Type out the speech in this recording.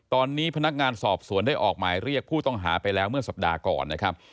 ตอนนี้พนักงานสอบสวนได้ออกหมายเรียกผู้ต้องหาไปแล้วเมื่อสัปดาห์ก่อนนะครับ